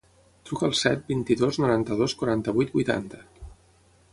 Truca al set, vint-i-dos, noranta-dos, quaranta-vuit, vuitanta.